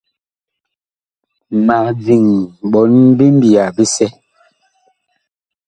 Mag diŋ ɓɔɔn bi mbiya bisɛ.